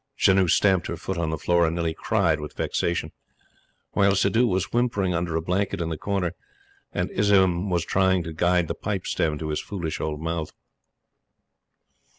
Janoo stamped her foot on the floor and nearly cried with vexation; while Suddhoo was whimpering under a blanket in the corner, and Azizun was trying to guide the pipe stem to his foolish old mouth.